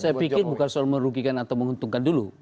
saya pikir bukan soal merugikan atau menguntungkan dulu